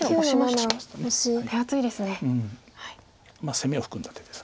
攻めを含んだ手です。